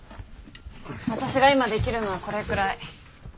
私が今できるのはこれくらい。